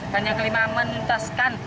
dan yang kelima menuntaskan